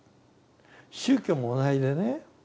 宗教も同じでね